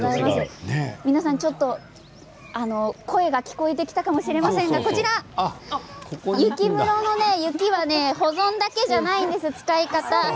皆さん、声が聞こえてきたかもしれません、こちら雪室の雪は保存だけではないんですよ、使い方。